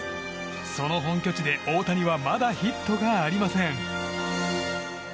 その本拠地で大谷はまだヒットがありません。